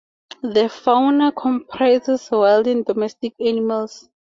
The fauna comprises wild and domestic animals.